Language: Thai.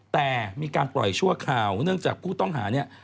แต่มีการปล่อยชั่วคราวเนื่องจากผู้ต้องหาเนี่ย